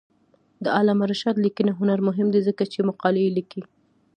د علامه رشاد لیکنی هنر مهم دی ځکه چې مقالې لیکي.